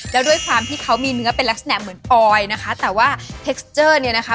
แล้วด้วยความที่เขามีเนื้อเป็นลักษณะเหมือนออยนะคะแต่ว่าเทคสเจอร์เนี่ยนะคะ